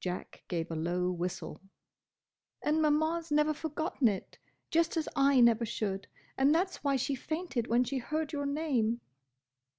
Jack gave a low whistle. "And Maman 's never forgotten it, just as I never should. And that's why she fainted when she heard your name."